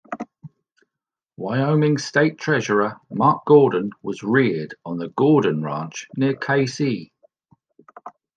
Wyoming State Treasurer Mark Gordon was reared on the Gordon Ranch near Kaycee.